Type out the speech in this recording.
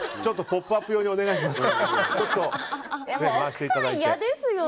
「ポップＵＰ！」用にお願いします。